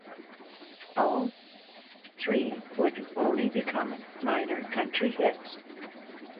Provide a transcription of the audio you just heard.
All three would only become minor country hits.